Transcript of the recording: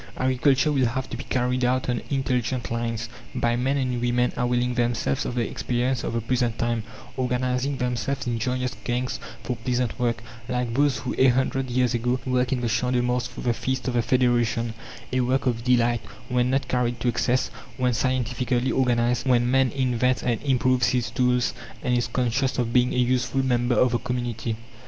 Agriculture will have to be carried out on intelligent lines, by men and women availing themselves of the experience of the present time, organizing themselves in joyous gangs for pleasant work, like those who, a hundred years ago, worked in the Champ de Mars for the Feast of the Federation a work of delight, when not carried to excess, when scientifically organized, when man invents and improves his tools and is conscious of being a useful member of the community.